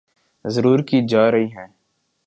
ضرور کی جارہی ہیں